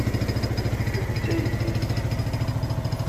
D taydit.